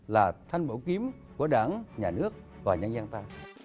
là thanh bảo kiếm của đảng nhà nước và nhân dân ta